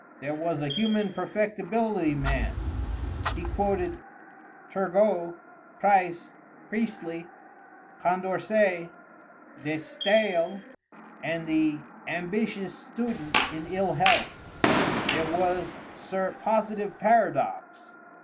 There was a human perfectibility man. He quoted Turgôt, Price, Priestly, Condorcêt, De Staël, and the "Ambitious Student in Ill Health." There was Sir Positive Paradox.